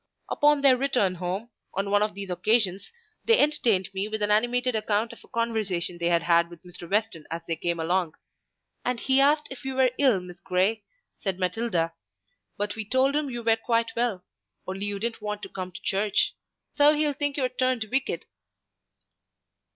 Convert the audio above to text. Upon their return home, on one of these occasions, they entertained me with an animated account of a conversation they had had with Mr. Weston as they came along. "And he asked if you were ill, Miss Grey," said Matilda; "but we told him you were quite well, only you didn't want to come to church—so he'll think you're turned wicked."